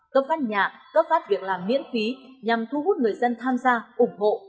cấp phát nhà cấp phát việc làm miễn phí nhằm thu hút người dân tham gia ủng hộ